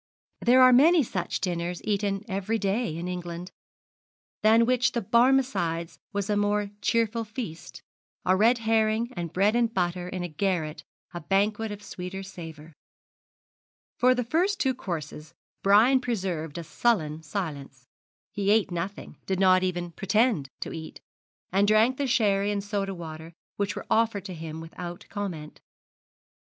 There are many such dinners eaten every day in England than which the Barmecide's was a more cheerful feast, a red herring and bread and butter in a garret a banquet of sweeter savour. For the first two courses Brian preserved a sullen silence. He ate nothing did not even pretend to eat and drank the sherry and soda water which were offered to him without comment.